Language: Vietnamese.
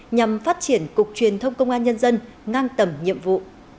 nhằm phát triển cục truyền thông công an nhân dân ngang tầm nhiệm vụ